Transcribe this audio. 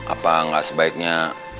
apa gak sebaiknya